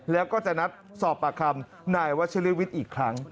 แล้วก็จะนัดสอบปากคำนายวัชริวิทย์อีกครั้ง